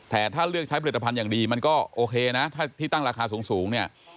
แต่ถ้าเลือกใช้ผลิตภัณฑ์อย่างดีมันก็โอเคนะถ้าที่ตั้งราคาสูงเนี่ย